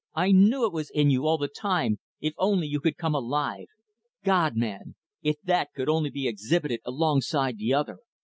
I knew it was in you, all the time if only you could come alive. God, man! if that could only be exhibited alongside the other!